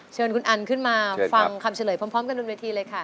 เชิญคุณอันขึ้นมาฟังคำเฉลยพร้อมกันบนเวทีเลยค่ะ